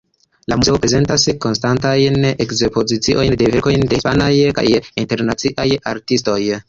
La muzeo prezentas konstantajn ekspoziciojn de verkoj de hispanaj kaj internaciaj artistoj.